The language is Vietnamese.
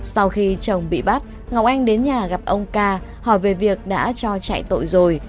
sau khi chồng bị bắt ngọc anh đến nhà gặp ông ca hỏi về việc đã cho chạy tội rồi